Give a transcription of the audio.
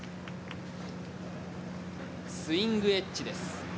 スイングエッジです。